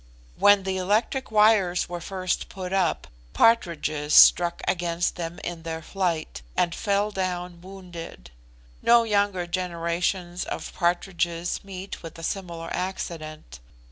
When the electric wires were first put up, partridges struck against them in their flight, and fell down wounded. No younger generations of partridges meet with a similar accident.